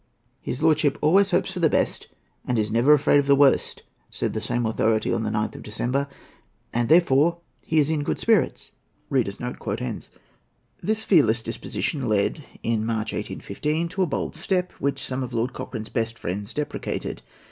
"His lordship always hopes for the best, and is never afraid of the worst," said the same authority on the 9th of December, "and therefore he is in good spirits." This fearless disposition led, in March, 1815, to a bold step, which some of Lord Cochrane's best friends deprecated.